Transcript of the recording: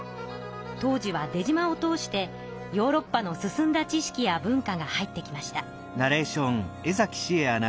当時は出島を通してヨーロッパの進んだ知識や文化が入ってきました。